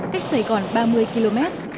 cách sài gòn ba mươi km